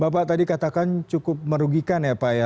bapak tadi katakan cukup merugikan ya pak ya